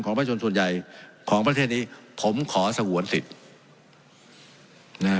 ของมันส่วนใหญ่ของประเทศที่ผมขอสะหวนศิษย์